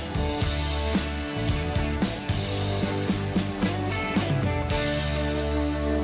โปรดติดตามตอนต่อไป